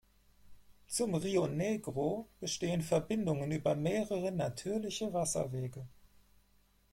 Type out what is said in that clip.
Zum Rio Negro bestehen Verbindungen über mehrere natürliche Wasserwege.